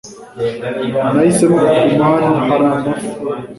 Nahisemo kuguma hano hari amafu